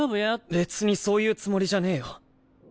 別にそういうつもりじゃねぇよ。